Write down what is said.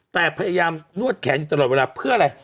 แต่พยายามนวดแขนอยู่ตลอดเวลาเพื่ออะไร